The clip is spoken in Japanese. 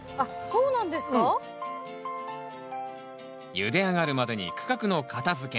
ゆで上がるまでに区画の片づけ。